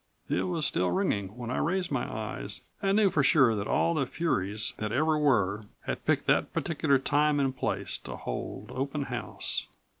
It was still ringing when I raised my eyes, and knew for sure that all the furies that ever were had picked that particular time and place to hold open house.